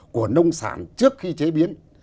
của nông sản trước khi chế biến